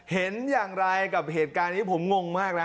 เห็นอย่างไรกับเหตุการณ์นี้ผมงงมากนะ